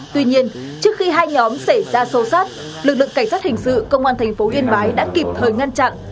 tuy nhiên trước khi hai nhóm xảy ra sâu sát lực lượng cảnh sát hình sự công an thành phố yên bái đã kịp thời ngăn chặn